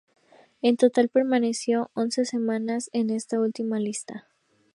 En total, permaneció once semanas en esta última lista.